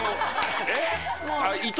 えっ？